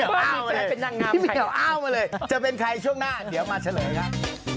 พี่หมี่เหล่าอ้าวมาเลยจะเป็นใครช่วงหน้าเดี๋ยวมาเสนอให้ครับ